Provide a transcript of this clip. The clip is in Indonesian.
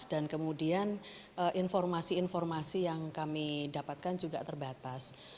dan kemudian informasi informasi yang kami dapatkan juga terbatas